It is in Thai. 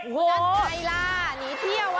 นั่นไงล่ะหนีเที่ยวอ่ะ